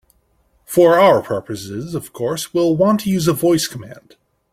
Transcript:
For our purposes, of course, we'll want to use a voice command.